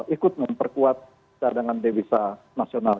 ikut memperkuat cadangan devisa nasional